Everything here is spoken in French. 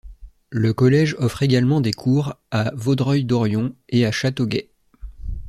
Le Collège offre également des cours à Vaudreuil-Dorion et à Châteauguay.